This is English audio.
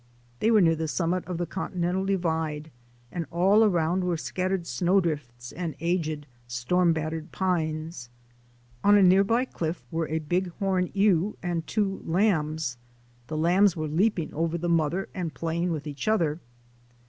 They were near the summit of the Continental Divide and all around were scattered snow drifts and aged, storm battered pines. On a near by cliff were a Bighorn ewe and two lambs. The lambs were leaping over the mother and playing with each other.